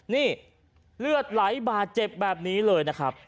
นี่เลือดไหลบาดเจ็บแบบนี้เลยนะครับ